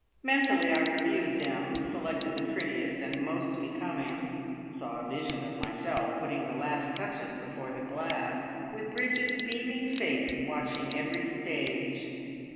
Mentally I reviewed them, selected the prettiest and most becoming, saw a vision of myself putting the last touches before the glass, with Bridget's beaming face watching every stage.